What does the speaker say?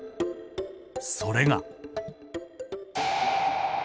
それが。